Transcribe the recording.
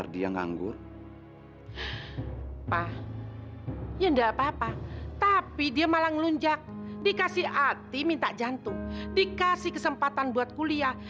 dia malah ngelunjak dikasih hati minta jantung dikasih kesempatan buat kuliah